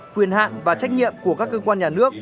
quyền hạn và trách nhiệm của các cơ quan nhà nước